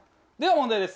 問題です